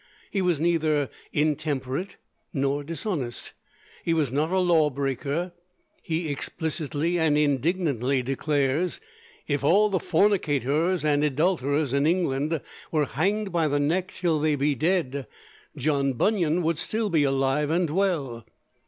He was neither intemperate nor dishonest; he was not a law breaker; he explicitly and indignantly declares: "If all the fornicators and adulterers in England were hanged by the neck till they be dead, John Bunyan would still be alive and well!"